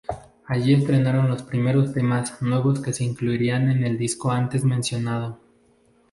Allí estrenaron los primeros temas nuevos que se incluirían en el disco antes mencionado.